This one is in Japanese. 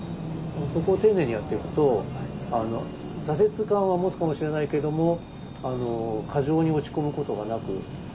そこを丁寧にやっていくと挫折感は持つかもしれないけども過剰に落ち込むことがなく